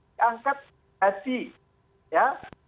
diangkat haji ya